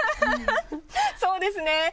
そうですね。